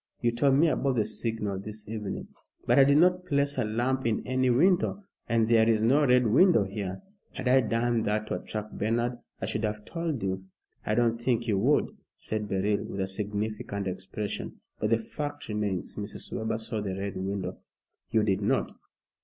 You told me about the signal this evening." "But I did not place a lamp in any window, and there is no Red Window here. Had I done that to attract Bernard, I should have told you." "I don't think you would," said Beryl, with a significant expression; "but the fact remains, Mrs. Webber saw the Red Window." "You did not."